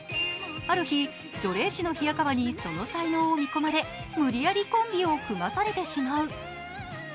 ある日、除霊師の冷川にその才能を見込まれ無理やりコンビを組まされてしまう。